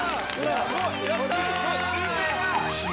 やった！